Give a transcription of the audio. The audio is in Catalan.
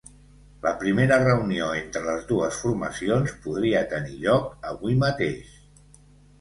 La primera reunió entre les dues formacions podria tenir lloc avui mateix.